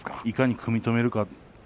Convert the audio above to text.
いかに組み止めるか。